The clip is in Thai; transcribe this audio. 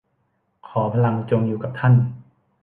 ขอพลังจงอยู่กับท่าน